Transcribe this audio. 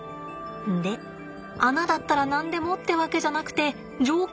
で穴だったら何でもってわけじゃなくて条件があるんだって。